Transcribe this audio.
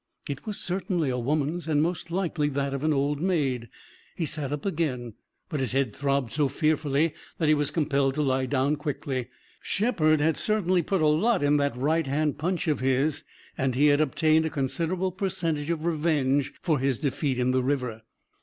It was certainly a woman's, and most likely that of an old maid. He sat up again, but his head throbbed so fearfully that he was compelled to lie down quickly. Shepard had certainly put a lot in that right hand punch of his and he had obtained a considerable percentage of revenge for his defeat in the river.